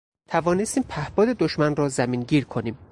توانستیم پهپاد دشمن را زمینگیر کنیم